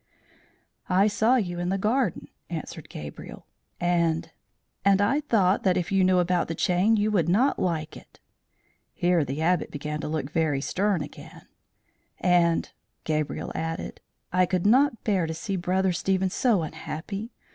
"I saw you in the garden," answered Gabriel, "and and I thought that if you knew about the chain, you would not like it;" (here the Abbot began to look very stern again); "and," Gabriel added, "I could not bear to see Brother Stephen so unhappy.